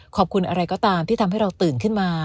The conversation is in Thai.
ขอบคุณอะไรก็ตามที่ทำให้เราตื่นขึ้นมา